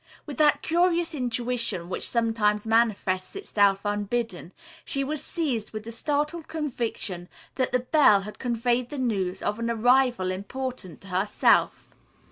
With that curious intuition which sometimes manifests itself unbidden, she was seized with the startled conviction that the bell had conveyed the news of an arrival important to herself.